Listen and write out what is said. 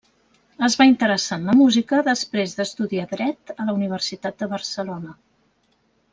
Es va interessar en la música després d'estudiar Dret a la Universitat de Barcelona.